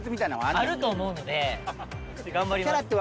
あると思うので頑張ります。